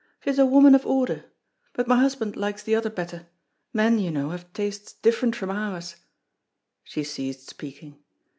She is a woman of order. But my husband likes the other better. Men you know, have tastes different from ours." She ceased speaking.